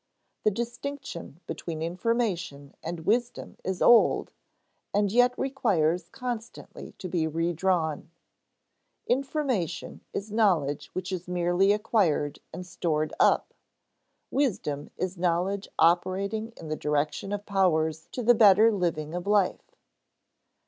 The distinction between information and wisdom is old, and yet requires constantly to be redrawn. Information is knowledge which is merely acquired and stored up; wisdom is knowledge operating in the direction of powers to the better living of life.